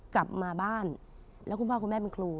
กลับมาบ้านแล้วคุณพ่อคุณแม่เป็นครู